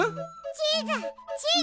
チーズチーズ！